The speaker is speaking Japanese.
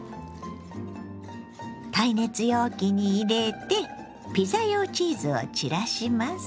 耐熱容器に入れてピザ用チーズを散らします。